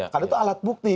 karena itu alat bukti